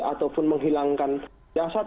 ataupun menghilangkan jasad